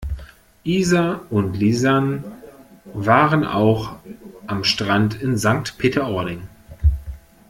Isa und Lisann waren auch am Strand in Sankt Peter-Ording.